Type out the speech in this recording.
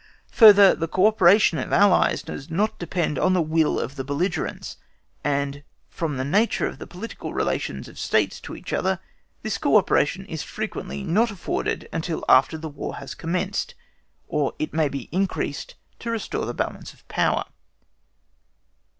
Further, the co operation of allies does not depend on the Will of the belligerents; and from the nature of the political relations of states to each other, this co operation is frequently not afforded until after the War has commenced, or it may be increased to restore the balance of power.